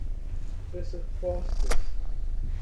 pressupostos